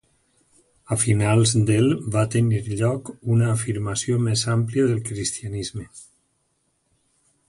A finals del va tenir lloc una afirmació més àmplia del cristianisme.